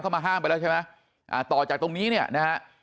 มาห้ามไปแล้วใช่ไหมอ่าต่อจากตรงนี้เนี่ยนะฮะ